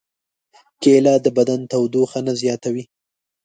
کېله د بدن تودوخه نه زیاتوي.